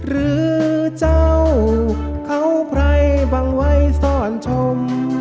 หรือเจ้าเขาไพรบังไว้ซ่อนชม